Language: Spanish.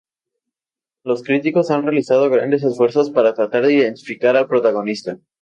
Los críticos han realizado grandes esfuerzos para tratar de identificar al protagonista.